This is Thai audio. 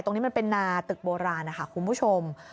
ตรงนี้มันเป็นนาตึกโบราณนะคะคุณผู้ชม